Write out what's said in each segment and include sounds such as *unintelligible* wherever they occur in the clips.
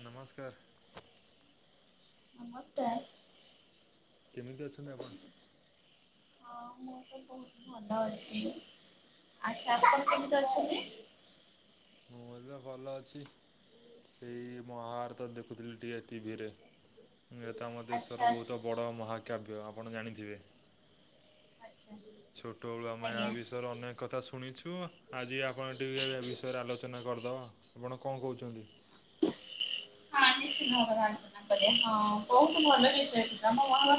ନମସ୍କାର *unintelligible* କେମିତି ଅଛନ୍ତି ଆପଣ? *inaudible* ହଁ ମୁଁ ତ ବହୁତ ଭଲ ଅଛି। ଆଚ୍ଛା ଆପଣ କେମିତି ଅଛନ୍ତି। ମୁଁ ହେଲେ ଭଲ ଅଛି। ସେଇ ମହାଭାରତ ଦେଖୁଥିଲି ଟିକେ ଟିଭିରେ। ଏ ତ ଆମ ଦେଶର ଆଚ୍ଛା ବହୁତ ବଡ଼ ମହାକାବ୍ୟ ଆପଣ ଜାଣିଥିବେ? ଆଚ୍ଛା ଛୋଟବଳୁ ଆମେ ଆଜ୍ଞା। ବିଷୟରେ ଅନେକ କଥା ଶୁଣିଛୁ। ଆଜି ଆପଣ ଟିକେ ବିଷୟରେ ବିଷୟରେ ଆଲୋଚନା କରିଦେବା ଆପଣ କଣ କହୁଛନ୍ତି? ହଁ ନିଶ୍ଚିତ ଭାବେ ଆଲୋଚନା କରିବା। ହଁ ବହୁତ ଭଲ ବିଷୟଥିଲା *unintelligible* *inaudible*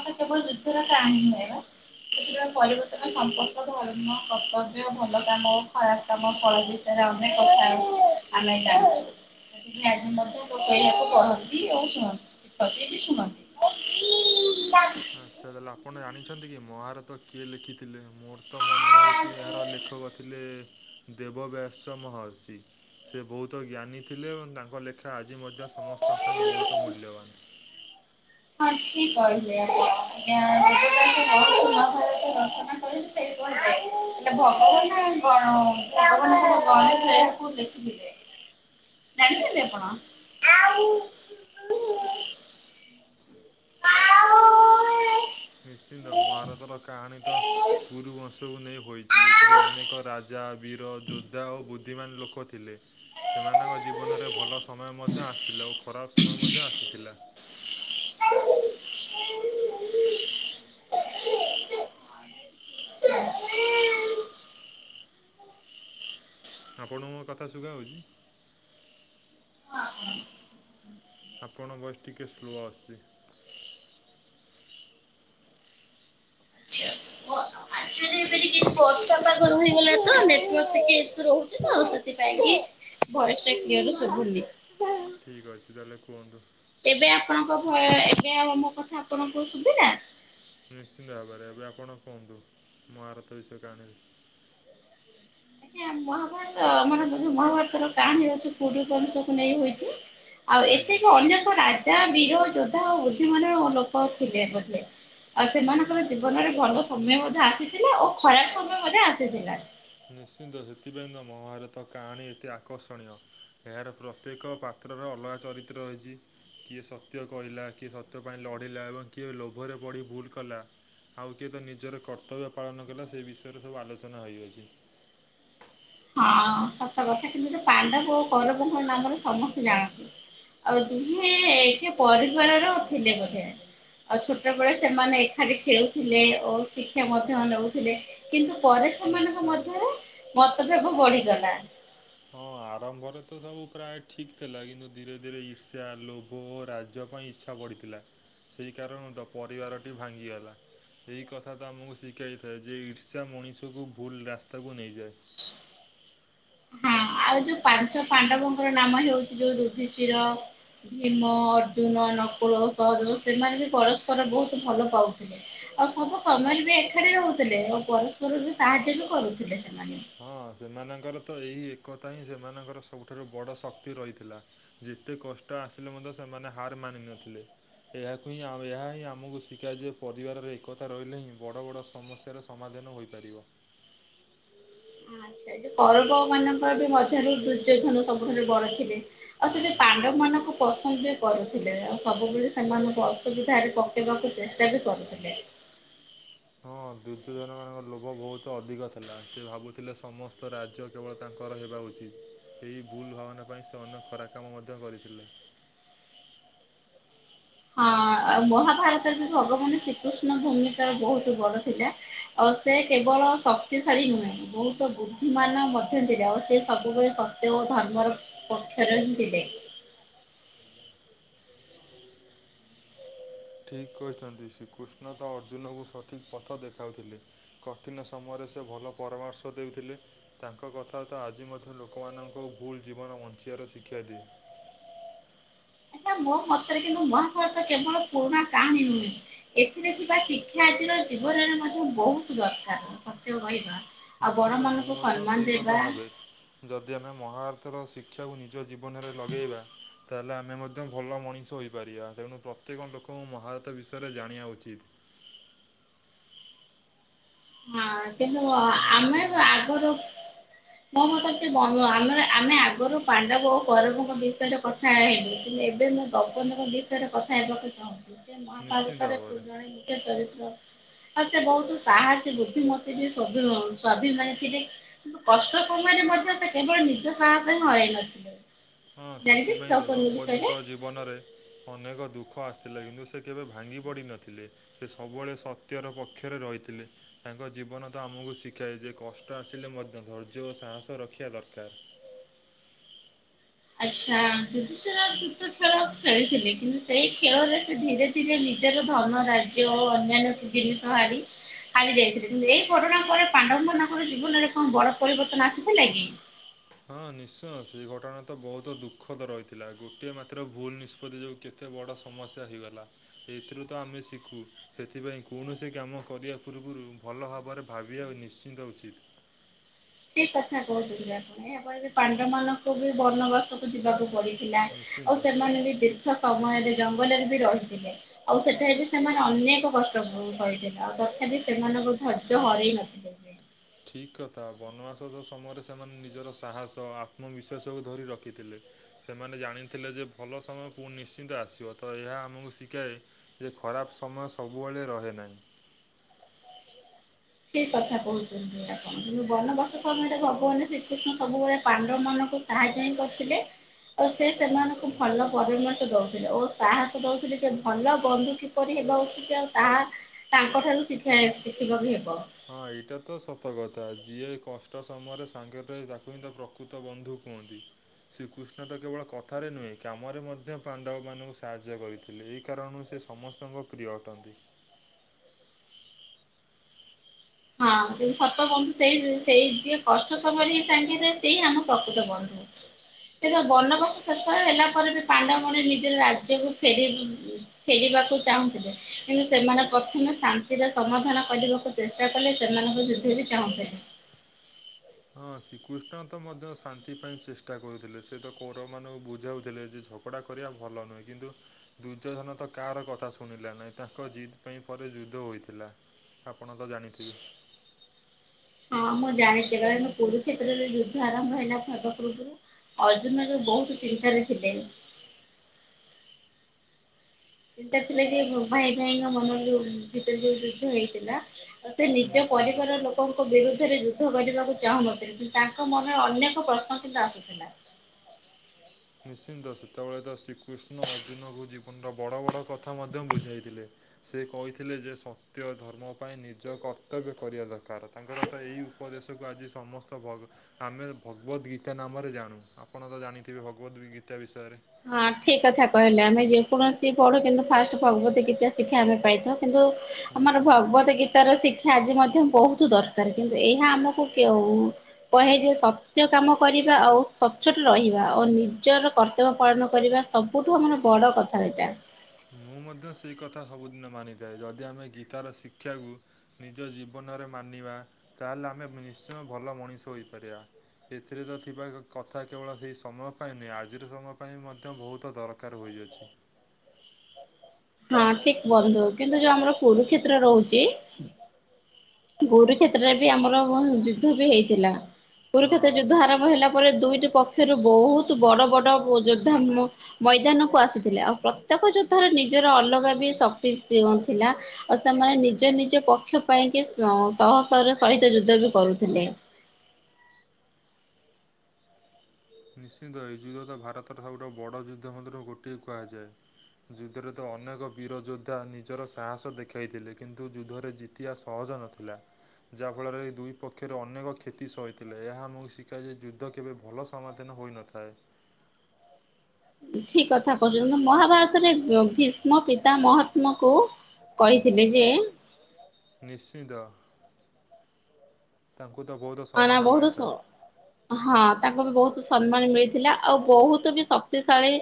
ସେଥି ପରିବର୍ତ୍ତନ ସମ୍ପର୍କ, ଧର୍ମ, କର୍ତ୍ତବ୍ୟ, ଭଲ କାମ ଖରାପ ତମ ଫଳ ବିଷୟରେ ଅନେକ କଥା ହଉ, ଆମେ ଜାଣିଛୁ ଆଜି ମଧ୍ୟ ଲୋକ ଏହକୁ କହନ୍ତି ଆଉ ଶୁଣନ୍ତି। *inaudible* ବି ଶୁଣନ୍ତି ଆଚ୍ଛା ତାହେଲେ ଆପଣ ଜାଣିଛନ୍ତି କି ମହାଭାରତ କିଏ ଲେଖିଥିଲେ। ମୋର ମ ତ ମନେ ହେଉଛି ଏହାର ଲେଖକ ଥିଲେ ଦେବବ୍ୟାସ ମହର୍ଷି। ସେ ବହୁତ ଜ୍ଞାନୀ ଥିଲେ ଏବଂ ତାଙ୍କ ଲେଖା ଆଜି ମଧ୍ୟ ସମସ୍ତଙ୍କ ପାଇଁ ବହୁତ ହଁ ମୂଲ୍ୟବାନ। ହଁ ଠିକ୍ କହିଲେ ଆପଣ ବେଦବ୍ୟାସ ମହର୍ଷି ମହାଭାରତ *inaudible* ଭଗବାନ ଭଗବାନଙ୍କ ଗଣେଶ ଏହାକୁ ଲେଖିଲେ *unintelligible* ଜାଣିଛନ୍ତି ଆପଣ? *unintelligible* *inaudible* ନିଶ୍ଚିନ୍ତ ମହାରଥର କାହାଣୀ ତ କୁରୁ ବଂଶକୁ ନେଇ ହୋଇଛି, ଏଥିରେ ଅନେକ ରାଜା, ବୀର, ଯୋଦ୍ଧା ଓ ବୁଦ୍ଧ ଦୁଦ୍ଧିମାନ ଲୋକ ଥିଲେ। ସେମାନଙ୍କ ଜୀବନରେ ଭଲ ସମୟ ମଧ୍ୟ ଆସିଥିଲା ଓ ଖରାପ ସମୟ ମଧ୍ୟ ଆସିଥିଲା। *inaudible* *inaudible* *inaudible* ଆପଣଙ୍କ ମୋ କଥା ଶୁଖା ହେଉଛି? ହଁ *inaudible* ଆପଣଙ୍କ ବଏସ୍ ଟିକିଏ ସ୍ଲୋ ଆସଛି। ହ *inaudible* ରହିଗ ରହୁ ସେଥିପାଇଁ *unintelligible* ଭୟସ ଟା କ୍ଲିଅର ଶୁଭୁନି। ଠିକ୍ ଅଛି ତାହେଲେ କୁହନ୍ତୁ। ଏବେ ଆପଣଙ୍କ ଭୟ ଏବେ ଆମମ କଥା ଆପଣଙ୍କୁ ଶୁଭିଲା। ନିଶ୍ଚିନ୍ତ ଭାବରେ ଏବେ ଆପଣ କୁହନ୍ତୁ ମାରତ ବିଷୟକୁ ଆଣିଲେ। ଆଜ୍ଞା ମହାଭାରତ ଆମର ଯ ମହାଭାରତର କାହାଣୀ ଅଛି ପୁରରୁୀ ତରୁଷକୁ ନେଇ ହଉଛି। ଆଉ ଆଜ୍ଞା। ଏତିକି ଅନେକ ରାଜା ବୀର ଯୋଦ୍ଧା ଆ ବୁଦ୍ଧି ମର ଲୋକ ଥିଲେ ବୋଧେ। ଆଉ ସେମାନଙ୍କର ଜୀବନରେ ଭଲ ସମୟ ମଧ୍ୟ ଆସିଥିଲା ଓ ଖରାପ ସମୟ ମଧ୍ୟ ଆସିଥିଲା। ନିଶ୍ଚିନ୍ତ ହେଥିପାଇଁ ମହାଭାରତ କାହାଣୀ ଏତେ ଆକର୍ଷଣୀୟ। ଏହାର ପ୍ରତ୍ୟେକ ପାତ୍ରର ଅଲଗା ଚରିତ୍ର ହୋଇଛି। କିଏ ସତ୍ୟ କହିଲା କିଏ ସତ୍ୟ ପାଇଁ ଲଢ଼ିଲା ଏବଂ କିଏ ଲୋଭରେ ପଢ଼ି ଭୁଲ କଲା। ଆଉ କିଏ ତ ନିଜର କର୍ତ୍ତବ୍ୟ ପାଳନ କଲା ସେ ବିଷୟରେ ସବୁ ଆଲୋଚନା ହୋଇଅଛି। ହଁ ସତ କଥା କିନ୍ତୁ ପାଣ୍ଡବ କୈରବ ନାମରେ ସମସ୍ତେ ଜାଣନ୍ତି। ଆଉ ଦୁହେ ଏକ ପରିବାରର ଥିଲେ ବୋଧେ। ଆଉ ଛୋଟବେେଳେ ସେମାନେ ଏକାଠି ଖେଳୁଥିଲେ ଓ ଶିକ୍ଷା ମଧ୍ୟ ନେଉଥିଲେ। କିନ୍ତୁ ପରେ ସେମାନଙ୍କ ନିଶ୍ଚୟ। ମଧ୍ୟରେ ମତଭେବ ବଢିଗଲା। ହଁ ଆରମ୍ଭରେ ତ ସବୁ ପ୍ରାୟ ଠିକ ଥିଲା କିନ୍ତୁ ଧୀରେ ଧୀରେ ଇର୍ଷା ଲୋଭ ରାଜ୍ୟ ପାଇଁ ଇଚ୍ଛା ବଢିଥିଲା ସେଇ କାରଣରୁ ତ ପରିବାରଟି ଭାଙ୍ଗିଗଲା। ଏହିଇ କଥା ତ ଆମକୁ ଶିଖାଇଥାଏ ଯେ ଇର୍ଷା ମଣିଷକୁ ଭୁଲ ରାସ୍ତାକୁ ନେଇଯାଏ। ହଁ ଆଉ ଯୋଉ ପାଞ୍ଚ ପାଣ୍ଡବଙ୍କର ନାମ ହଉଛି ଯୋଉ ଯୁଧିଷ୍ଟିର ଭୀମ ଅର୍ଜୁନ ନକୁଳ ସହଜ ସେମାନେ ବି ପରସ୍ପର ବହୁତ ଭଲ ପାଉଥିଲେ। ଆଉ ସବୁ ସମୟରେ ବି ଏକାଠି ରହୁଥିଲେ ଆଉ ପରସ୍ପର ବି ସାହାଯ୍ୟ ବି କରୁଥିଲେ ସେମାନେ। ହଁ ସେମାନଙ୍କର ତ ଏହି ଏକତା ହିଁ ସେମାନଙ୍କର ସବୁଠାରୁ ବଡ଼ ଶକ୍ତି ରହିଥିଲା। ଯେତେ କଷ୍ଟ ଆସିଲେ ମଧ୍ୟ ସେମାନେ ହାର ମାନିନଥିଲେ। ଏହାକୁ ହିଁ ଏହା ହିଁ ଆମକୁ ଶିଖାଏ ଯେ ପରିବାରରେ ଏକତା ରହିଲେ ହିଁ ବଡ଼ ବଡ଼ ସମସ୍ୟାର ସମାଧାନ ହୋଇପାରିବ। ଆଛା ଏ କରବ ମାନଙ୍କ ବି ମଧ୍ୟରୁ ଦୁର୍ଯ୍ୟୋଧନ ସବୁଠାରୁ ବଡ ଥିଲେ। ଆଉ ହଁ ସେ ନିଶ୍ଚୟ। ପାଣ୍ଡବ ମାନଙ୍କୁ ପସନ୍ଦ ବି କରୁଥିଲେ ଆଉ ସବୁବେଳେ ସେମାନଙ୍କୁ ଅସୁବିଧାରେ ପକେଇବାକୁ ଚେଷ୍ଟା ବି କରୁଥିଲେ। ହଁ ଦୁର୍ଯ୍ୟୋଧନ ମାନଙ୍କର ଲୋଭ ବହୁତ ଅଧିକ ଥିଲା ସେ ଭାବୁଥିଲେ ସମସ୍ତ ରାଜ୍ୟ କେବଳ ତାଙ୍କର ହେବା ଉଚିତ୍ ଏହି ଭୁଲ୍ ଭାବନା ପାଇଁ ସେ ଅନ୍ୟ ଖରା କାମ ମଧ୍ୟ କରିଥିଲେ। ହଁ ମହାଭାରତରେ ଭଗବାନ ଶ୍ରୀକୃଷ୍ଣ ଭୂମିକା ବହୁତ ବଡ ଥିଲା। ଆଉ ସେ କେବଳ ଶକ୍ତିଶାଳୀ ନୁହେଁ ବହୁତ ବୁଦ୍ଧିମାନ ମଧ୍ୟ ଥିଲେ ଆଉ ସେ ସବୁବେଳେକ୍ ସେ ଧର୍ମର ପକ୍ଷରେ ହିଁ ଥିଲେ। ଆଠଞା *inaudible* ହ *inaudible* ଠିକ କହିଛନ୍ତି ଶ୍ରୀକୃଷ୍ଣ ତ ଅର୍ଜୁନଙ୍କୁ ସଠିକ ପଥ ଦେଖାଉଥିଲେ। କଠିନ ସମୟରେ ସେ ଭଲ ପରାମର୍ଶ ଦେଉଥିଲେ। ତାଙ୍କ କଥାତ ଆଜି ମଧ୍ୟ ଲୋକମାନଙ୍କୁ ଭୁଲ ଜୀବନ ବଞ୍ଚିବାର ଶିକ୍ଷା ଦିଏ। ଆଚ୍ଛା ମୋ ମତରେ କିନ୍ତୁ ମହାଭାରତ କେବଳ ପୁରୁଣା କାହାଣୀ ନୁହେଁ। ଏଥିରେ ଥିବା ଶିକ୍ଷା ଆଜିର ଜୀବନରେ ମଧ୍ୟ ବହୁତ ଦରକାର ସତ୍ୟ କହିବା। ଆଉ ନିଶ୍ଚିନ୍ତ ମୁଁ ବଡମାନଙ୍କୁ ମଧ୍ୟ ସମ୍ମାନ ସେଇ ଦେବା କଥା ଭାବେ। ଯଦି ଆମେ ମହାହାରତର ଶିକ୍ଷାକୁ ନିଜ ଜୀବନରେ ଲଗେଇବା। ତା ହେଲେ ଆମେ ମଧ୍ୟ ଭଲ ମଣିଷ ହୋଇପାରିବା ତେଣୁ ପ୍ରତ୍ୟେକ ଲୋକଙ୍କୁ ମହାଭତ ବିଷୟରେ ଜାଣିବା ଉଚିତ୍। ହଁ କିନ୍ତୁ ଆପଣଙ୍କ ଆମେ ମତରେ କ'ଣ? ଆଗରୁ ମୁଁ ମୋ ମତରେ ବଧ ଆମର ଆମେ ଆଗରୁ ପାଣ୍ଡବ ଓ ଗୌରବଙ୍କ ବିଷୟରେ କଥା ହେବୁୁ ଏବେ ଭଗବାନଙ୍କ ବିଷୟରେ କଥା ହେବାକୁ ଚାହୁଁଛିୁ ଯେ ନିଶ୍ଚିତ ମହାଭାରତରେ ପ ଭାବରେ। ଜଣ ଚରିତ୍ର ଆଉ ସେ ବହୁତ ସାହସୀ ବୁ ମତେ ଯ ସ ସ୍ବାଭିମାନୀ ଥିଲି। କଷ୍ଟ ସମୟରେ ମଧ୍ୟ ସେ କେବଳ ନିଜ ସାହସ ହିଁ ହରାଇ ନଥିଲେ। ହଁ ଜାଣିଲେ ସେଥିପାଇଁ ତ ଦ୍ରୌପଦୀଙ୍କ ବିଷୟରେ? ଦୌପଦୀଙ୍କ ଜୀବନରେ ଅନେକ ଦୁଃଖ ଆସିଥିଲା କିନ୍ତୁ ସେ କେବେ ଭାଙ୍ଗି ପଡ଼ି ନଥିଲେ। ସେ ସବୁବେଳେ ସତ୍ୟର ପକ୍ଷରେ ରହିଥିଲେ। ତାଙ୍କ ଜୀବନ ତ ଆମକୁ ଶିଖାଏ ଯେ କଷ୍ଟ ଆସିଲେ ମଧ୍ୟ ଧୈର୍ଯ୍ୟ ଓ ସାହସ ରଖିବା ଦରକାର। ଆଚ୍ଛା ବିର ତ ଖେଳ ଖେଳିଥିଲେ କିନ୍ତୁ ସେଇ ଖେଳରେ ସେ ଧୀରେରେ ଥିରେ ନିଜର ଧନ ରାଜ୍ୟ ଓ ଅନ୍ୟାନ୍ୟ ଜିନିଷ ହାରି ହାରି ଯାଇଥିଲା। ଏଇ ଘଟଣା ପରେ ପରେ ପାଣ୍ଡବ ମାନଙ୍କର ଜୀବନରେ କଣ ବଡ ପରିବର୍ତ୍ତନ ଆସିଥିଲା କି ହଁ ନିଶ୍ଚୟ ସେଇ ଘଟଣା ତ ବହୁତ ଦୁଃଖଦ ରହିଥିଲା ଗୋଟିଏ ମାତ୍ର ଭୁଲ ନିଷ୍ପତ୍ତି ଯୋଉ କେ ଏତେ ବଡ ସମସ୍ୟା ହେଇଗଲା, ଏଥିରୁ ତ ଆମେ ଶିଖୁ। ସେଥିପାଇଁ କୌଣସି କାମ କରିବା ପୂର୍ବରୁ ଭଲ ଭାବରେ ଭାବିବା ନିଶ୍ଚିନ୍ତ ଉଚିତ୍। ଠିକ୍ କଥା କହୁଥିଲେ ଆପଣ ଏବେ ଏ ପାଣ୍ଡ ମାନଙ୍କୁ ବି ବନବାସକୁ ଯିବାକୁ ପଡି ଥିଲା ଆଉ ନିଶ୍ଚିନ୍ତ ସେମାନେ ବି ଦୀର୍ଘ ସମୟରେ ଜଙ୍ଗଲରେ ବି ରହିଥିଲେ। ଆଉ ସେଠାରେ ବି ସେମାନେ ଅନେକ କଷ୍ଟ କରିଥିଲେ ଆଉ ତଥାପି ସେମାନଙ୍କୁ ଧୈର୍ଯ୍ୟ ହରଇ ନଥିଲେ। ସେ। ଠିକ୍ କଥା ବନବାସ ସମୟରେ ସେମାନେ ନିଜର ସାହସ ଆତ୍ମବିଶ୍ୱାସକୁ ଧରି ରଖିଥିଲେ। ସେମାନେ ଜାଣିଥିଲେ ଯେ ଭଲ ସମୟ ପୁଣି ନିଶ୍ଚିନ୍ତ ଆସିବ ତ ଏହା ଆମକୁ ଶିଖାଏ। ସେ ଖରାପ ସମୟ ସବୁବେଳେ ରହେ ନାହିଁ। ଠିକ୍ କଥା କହୁଛନ୍ତି ଆପଣ କିନ୍ତୁ ବନବାସ ସମୟରେ ଭଗବାନ ଶ୍ରୀକୃଷ୍ଣ ସବୁବେଳେ ପାଣ୍ଡବ ମନଙ୍କୁ ସାହାଯ୍ୟ ହିଁ କରିଥିଲେ ଆ ସେ ସେମାନଙ୍କୁ ନିଶ୍ଚିନ୍ତ। ଭଲ ପରାମର୍ଶ ଦଉଥିଲେ ଓ ତାହାକୁ ଦଉଥିଲେି ଯେ ଭଲ ବନ୍ଧୁ କିପରି ହେବା ଉଚିତ ଆଉ ତାହା ତାଙ୍କଠାରୁ ଶିକ୍ଷା ଶିଖିବା ବି ହେବ। ହଁ ଏଇଟା ତ ସତ କଥା ଯିଏ କଷ୍ଟ ସମୟରେ ସାଙ୍ଗରେ ର ତାକୁ ହିଁ ତ ପ୍ରକୃତ ବନ୍ଧୁ କୁହନ୍ତି। ଶ୍ରୀକୃଷ୍ଣ ତ କେବଳ କଥାରେ ନୁହେଁ କାମରେ ମଧ୍ୟ ପାଣ୍ଡବମାନଙ୍କୁ ସାହାଯ୍ୟ କରିଥା ହେଲେ ଏହି କାରଣରୁ ସେ ସମସ୍ତଙ୍କ ପ୍ରିୟ ଅଟନ୍ତି। ହଁ ସତ କହନ୍ତୁ ସେଇ ସେଇ ଯିଏ କର୍ଷ୍ଟ ଖବର ହ ସାଙ୍ଗରେ ସେଇ ଆମ ପ୍ରକୃତ ବଢ ଦେ ବନବାସ ଶେଷ ହେଲା ପରେ ବି ପାଣ୍ଡମଣି ନିଜ ରାଜ୍ୟକୁ ଫେରି ଫେରିବାକୁ ଚାହୁଁଥିଲେ କିନ୍ତୁ ସେମାନେ ପ୍ରଥମେ ଶାନ୍ତିର ସମାଧାନ କରିବାକୁ ଚେଷ୍ଟ କଲେ ସେମାନଙ୍କ ଯୁଦ୍ଧ ବି ଚାହୁଁଥିଲେ। ହଁ ଶ୍ରୀକୃଷ୍ଣ ତ ମଧ୍ୟ ଶାନ୍ତି ପାଇଁ ଚେଷ୍ଟା କରୁଥିଲେ ସେ ତ କୋର ମଙ୍କୁ ବୁଝାଉଥିଲେ ଯେ ଝ ଝଗଡ଼ା କରିବା ଭଲ ନୁହେଁ କିନ୍ତୁ? ଦୁର୍ଜୋଜନ ତ କାହାର କଥା ଶୁଣିଲା ନାହିଁ ତାଙ୍କ ଜିଦ୍ ପାଇଁ ପରେ ଯୁଦ୍ଧ ହୋଇଥିଲା। ଆପଣ ତ ଜାଣିଥିବେ। ହଁ ମୁଁ ଜାଣିଛି କ ମୁକୁରୁ କ୍ଷେତ୍ରରେ ଯୁଦ୍ଧ ଆରମ୍ଭ ହେଲା ଭଦପ୍ରବରୁ। ଅର୍ଜୁନ ର ବହୁତ ଚିନ୍ତାରେ ଥିଲେ। ଚିନ୍ତା ଥିଲା ଯେ ଭାଇ ଭାଇଙ୍କ ମନ ଭିତରେ ଯୋ ଯୁଦ୍ଧ ହେଇଥିଲା। ଆଉ ସେ ନିଜ ନିଶ୍ଚିନ୍ତ ପରିବାର ଲୋକ ଲୋକଙ୍କ ବିରୁଦ୍ଧରେ ଯୁଦ୍ଧ କରିବାକୁ ଚାହୁଁନଥିଲେ କିନ୍ତୁ ତାଙ୍କ ମନରେ ଅନେକ ପ୍ରଶ୍ନ କିନ୍ତୁ ଆସୁଥିଲା। ନିଶ୍ଚିନ୍ତ ସେତେବେଳେ ତ ଶ୍ରୀକୃଷ୍ଣ ଅର୍ଜୁନକୁ ଜୀବନର ବଡ଼ ବଡ଼ କଥା ମଧ୍ୟ ବୁଝାଇଥିଲେ। ସେ କହିଥିଲେ ଯେ ସତ୍ୟ ଧର୍ମ ପାଇଁ ନିଜ କର୍ତ୍ତବ୍ୟ କରିବା ଦରକାର ତାଙ୍କର ତ ଏଇ ଉପଦେଶକୁ ଆଜି ସମସ୍ତ ଭ ଆମେ ଭଗବତ ଗୀତା ନାମରେ ଜାଣୁ ଆପଣ ତ ଜାଣିଥିବେ ଭ ବି ଗତା ବିଷୟରେ। ହଁ ଠିକ କଥା କହିଲେ ଆମେ ଯେକୌଣସି ପଢୁ କିନ୍ତୁ ଫାଷ୍ଟ ଭଗବତୀ ଗୀତ ଶିକ୍ଷା ଆମେ ପାଇଥାଉ କିନ୍ତୁ? ଆମର ନିଶ୍ଚିନ୍ତ। ଭଗବତ ଗୀତାର ଶିକ୍ଷା ଆଜି ମଧ୍ୟ ବହୁତ ଦରକା ଦ କିନ୍ତୁ ଏଇ ଆମକୁ କେଉ କହେ ଯେ ସତ୍ୟ କାମ କରିବା ଆଉ ସଚ୍ଛଟ ରହିବା ଆଉ ନିଜର କର୍ତ୍ତବ୍ ପାଳନ କରିବା ସବୁଠୁ ଆମର ବଡ଼ କଥା ଏଇଟା। ମୁଁ ମଧ୍ୟ ସେଇ କଥା ସବୁଦିନ ମାନିଥାଏ ଯଦି ଆମେ ଗୀତାର ଶିକ୍ଷାକୁ ନିଜ ଜୀବନରେ ମାନିବା, ତାହେଲେ ଆମେ ନିଶ୍ଚୟ ଭଲ ମଣିଷ ହୋଇପାରିବା। ଏଥିରେ ତ ଥିବା କଥା କେବଳ ସେଇ ସମୟ ପାଇଁ ନୁହେଁ, ଆଜିର ସମୟ ପାଇଁ ମଧ୍ୟ ବହୁତ ଦରକାର। କାର ହୋଇଯାଇଛି। ହଁ ଠିକ ବନ୍ଧୁ କିନ୍ତୁ ଯୋଉ ଆମର କୁରୁକ୍ଷେତ୍ର ରହୁଛି କୁରୁକ୍ଷେତ୍ରରେ ବି ଆମର ଯୁଦ୍ଧ ବି ହେଇଥିଲା, କୁରୁଖେତ୍ରରେ ହଁ। ଯୁଦ୍ଧ ଆରମ୍ ମୁ ହେଲା ପରେ ଦୁଇଟି ପକ୍ଷରୁ ବହୁତ ବଡ ବଡ ଯୋଦ୍ଧା ମୁଁ ମଇଦାନକୁ ଆସିଥିଲେ, ଆଉ ପ୍ରତ୍ୟେକ ଯୋଦ୍ଧର ନିଜର ଅଲଗା ବି ଶକ୍ତି ଥିଲା ଆଉ ସେମାନେ ନିଜ ନିଜ ପକ୍ଷ ପାଇଁକି ଶହ ଶର ସହିତ ଯୁଦ୍ଧ ବି କରୁଥିଲେ। ନିଶ୍ଚିନ୍ତ ଏହି ଯୁଦ୍ଧ ତ ଭାରତର ସବୁଠୁ ବଡ଼ ଯୁଦ୍ଧ ମଧ୍ୟରୁ ଗୋଟିଏ କୁହାଯାଏ। ଯୁଦ୍ଧରେ ତ ଅନେକ ବୀରଯୋଦ୍ଧା ନିଜର ସାହସ ଦେଖାଇଥିଲେ କିନ୍ତୁ ଯୁଦ୍ଧରେ ଯି ତିଆ ସହଜ ନଥିଲା। ଯାହାଫଳରେ ଦୁଇ ପକ୍ଷରେ ଅନେକ କ୍ଷତି ସହିଥିଲେ ଏହା ଆମକୁ ଶିଖାଏ ଯେ ଯୁଦ୍ଧ କେବେ ଭଲ ସମାଧାନ ହୋଇନଥାଏ। ଠିକ କଥା କହୁଛନ୍ତି ମହାଭାରତରେ ଭୀଷ୍ମ ପିତା ମହାତ୍ମା କୁ କହିଥିଲେ ଯେ ନିଶ୍ଚିନ୍ତ। ତାଙ୍କୁ ତ ବୌଧ ହ ନା ବହୁତ ଶ ହଁ ତାଙ୍କୁ ବି ବହୁତ ସମ୍ମାନ ମିଳିଥିଲା ଆଉ ବହୁତ ବି ଶକ୍ତିଶାଳୀ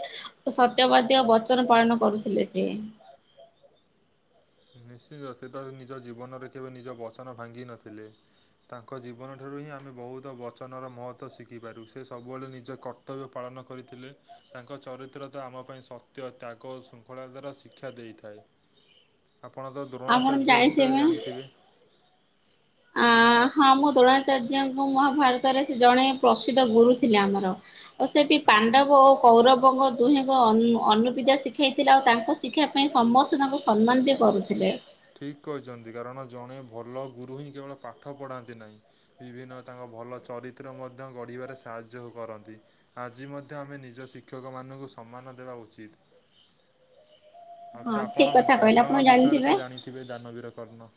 ସତ୍ୟବାଦୀ ଆଉ ବଚନ ପାଳନ କରୁଥିଲେ ଜେ ନିଶ୍ଚିନ୍ତ ସେ ତ ନିଜ ଜୀବନରେ କେବେ ନିଜ ବଚନ ଭାଙ୍ଗିନଥିଲେ। ତାଙ୍କ ଜୀବନଠାରୁ ହିଁ ଆମେ ବହୁତ ବଚନର ମହତ୍ତ୍ଵ ଶିଖିପାରୁ ସେ ସବୁବେଳେ ନିଜ କ କର୍ତ୍ତବ୍ୟ ପାଳନ କରିଥିଲେ। ତାଙ୍କ ଚରିତ୍ର ତ ଆମ ପାଇଁ ସତ୍ୟ, ତ୍ୟାଗ, ଶୃଙ୍ଖଳତାର ଶିକ୍ଷା ଦେଇଥାଏ। ଆପଣ ତ ଦ୍ରୋଣାଚାର୍ଯ୍ୟ ବିଷୟରେ ଜାଣିଥିବେ? ଆ ହଁ ମୁଁ ଦ୍ରୋଣାଚାର୍ଯ୍ୟଙ୍କ ମହାଭାରତରେ ସେ ଜଣେ ପ୍ରସିଦ୍ଧ ଗୁରୁ ଥିଲେ ଆମର। ଓ ସେ ବି ଆଜ୍ଞା। ପାଣ୍ଡବ ଓ କୌରବଙ୍କ ଦୁହେଁଙ୍କ ଅନୁପିତା ଶି ଶିଖାଇଥିଲେ ଆଉ ତାଙ୍କ ଶିକ୍ଷା ପାଇଁ ସମସ୍ତେ ତାଙ୍କୁ ସମ୍ମାନ ବି କରୁଥିଲେ। ଠିକ କହିଛନ୍ତି କାରଣ ଜଣେ ଭଲ ଗୁରୁ ହିଁ କେବଳ ପାଠ ପଢ଼ାନ୍ତି ନାହିଁ ବିଭିନ୍ନ ତାଙ୍କ ଭଲ ଚରିତ୍ର ମଧ୍ୟ ଗଢ଼ିବାରେ ସାହାଯ୍ୟ କରନ୍ତି। ଆଜି ମଧ୍ୟ ଆମେ ନିଜ ଶିକ୍ଷକମାନାନଙ୍କୁ ସମ୍ମାନ ଦେବା ଉଚିତ୍। ଆଚ୍ଛା ହଁ ଠିକ ଆପଣ କଥା କେମିତି କହିଲେ ଆପଣ କର୍ଣ୍ଣଙ୍କ ବିଷୟରେ ଜାଣିଥିବେ ତ ଜାଣିଥିବେ ଦାନବୀର କର୍ଣ୍ଣ।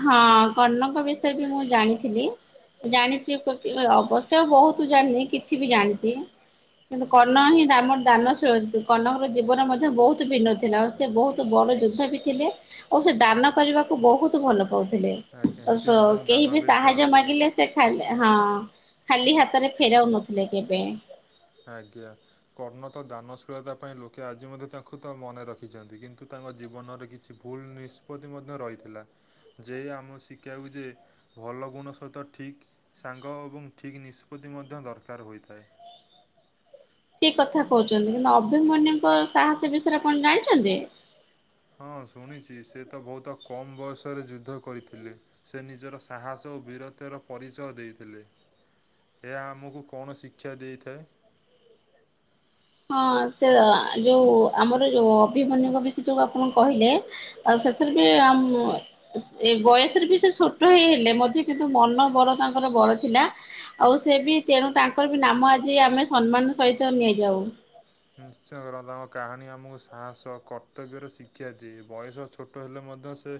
ହଁ କର୍ଣ୍ଣଙ୍କ ବିଷୟ ବି ମୁଁ ଜାଣିଥିଲି। ଜାଣିଛି ବାକି ଅବଶ୍ୟ ବହୁତ ଜାଣିନି କିଛି ବି ଜାଣିଛି। କିନ୍ତୁ କର୍ଣ୍ଣ ହିଁ ଆମର ଦାନଶୀଳ କର୍ଣ୍ଣଙ୍କର ଜୀବନ ମଧ୍ୟ ବହୁତ ଭିନ୍ନ ଥିଲା। ସେ ବହୁତ ବଡ ଯୋଦ୍ଧା ବି ଥିଲେ ଆଉ ସେ ଦାନ କରିବାକୁ ବହୁତ ଭଲ ପାଉଥିଲେ। ଆଜ୍ଞା ସେଥିପାଇଁ ତ ତାଙ୍କୁ କେହି ବି ଦାନବୀର ସାହାଯ୍ୟ କୁହାହଉଥିଲା ମାଗିଲେ। ସେ ଖାଲି ହଁ ଖାଲି ହାତରେ ଫେରାଉନଥିଲେ କେବେ। ଆଜ୍ଞା କର୍ଣ୍ଣ ତ ଦାନଶୀଳତା ପାଇଁ ଲୋକେ ଆଜି ମଧ୍ୟ ତାଙ୍କୁ ତ ମନେ ରଖିଛନ୍ତି, କିନ୍ତୁ ତାଙ୍କ ଜୀବନରେ କିଛି କିଛି ଭୁଲ ନିଷ୍ପତ୍ତି ମଧ୍ୟ ରହିଥିଲା। ଯେ ଆମେ ଶିଖାଉଚି ଯେ ଭଲ ଗୁଣ ସହିତ ଠିକ୍ ସାଙ୍ଗ ଏବଂ ଠିକ୍ ନିଷ୍ପତ୍ତି ମଧ୍ୟ ଦରକାର ହୋଇଥାଏ। ଠିକ କଥା କହୁଛନ୍ତି କିନ୍ତୁ ଅଭିମନ୍ୟୁଙ୍କ ସାହସ ବିଷୟରେ ଆପଣ ଜାଣିଛନ୍ତି? ହଁ ଶୁଣିଛି ସେ ତ ବହୁତ କମ୍ ବୟସରେ ଯୁଦ୍ଧ କରିଥିଲେ। ସେ ନିଜର ସାହସ ଓ ବୀରତର ପରିଚୟ ଦେଇଥିଲେ। ଏହା ଆମକୁ କଣ ଶିକ୍ଷା ଦେଇଥାଏ। ହଁ ସେ ଯୋଉ ଆମର ଯୋଉ ଅଭିମନ୍ୟୁଙ୍କ ବିଶ ଯୋଉ ଆପଣ କହିଲେ ଆଉ ସେଥିରେ ବି ଆ। ଏଇ ବୟସରେ ବି ସେ ଛୋଟ ହେଇ -ହେଲେ ମଧ୍ୟ କିନ୍ତୁ ମନ ବଡ ତାଙ୍କର ବଡ ଥିଲା ଆଉ ସେ ବି ତେଣୁ ତାଙ୍କର ବି ନାମ ଆଜି ଆମେ ସମ୍ମାନର ସହିତ ନେଇଯାଉ। ନିଶ୍ଚୟ କରନ୍ତ ତାଙ୍କ କାହାଣୀ ଆମକୁ ସାହସ କର୍ତ୍ତବ୍ୟର ଶିକ୍ଷା ଦିଏ ବୟସ ଛୋଟ ହେଲେ ମଧ୍ୟ ସେ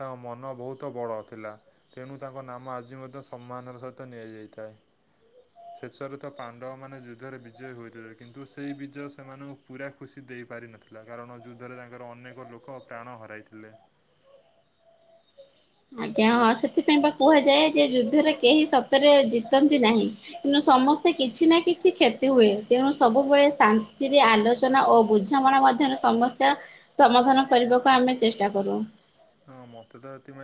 ତାଙ୍କ ମନ ବହୁତ ବଡ ଥିଲା। ତେଣୁ ତାଙ୍କ ନାମ ଆଜି ମଧ୍ୟ ସମ୍ମାନର ସହିତ ନିଆ ଯାଇଥାଏ। ଶେଷରେ ତ ପାଣ୍ଡବ ମାନେ ଯୁଦ୍ଧରେ ବିଜୟୀ ହୋଇଥିଲେ କିନ୍ତୁ ସେଇ ବିଜ୍ ବିଜୟ ସେମାନଙ୍କୁ ପୁରା ଖୁସି ଦେଇପାରିନଥିଲା କାରଣ ଯୁଦ୍ଧରେ ତାଙ୍କର ଅନେକ ଲୋକ ପ୍ରାଣ ହରାଇଥିଲେ। ଆଜ୍ଞା ହଁ ସେଥିପାଇଁ ବା କୁହାଯାଏ ଯେ ଯୁଦ୍ଧରେ କେହି ସତରେ ଜିତନ୍ତି ନାହିଁ। ତେଣୁ ସମସ୍ତେ କିଛି ନା କିଛି କ୍ଷତି ହୁଏ ତେଣୁ ସବୁବେଳେ ଶାନ୍ତିରେ ଆଲୋଚ ଚନା ଓ ବୁଝାମଣା ମଧ୍ୟରେ ସମସ୍ୟା ସମାଧାନ କରିବାକୁ ଆମେ ଚେଷ୍ଟା କରୁ। ହଁ ମତେ ତ ଏଥିପାଇଁ